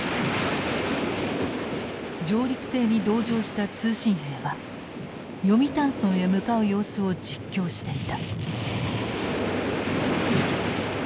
上陸艇に同乗した通信兵は読谷村へ向かう様子を実況していた。